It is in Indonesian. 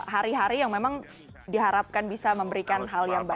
hari hari yang memang diharapkan bisa memberikan hal yang baik